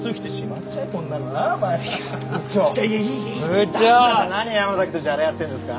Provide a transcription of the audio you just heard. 部長何山崎とじゃれ合ってんですか？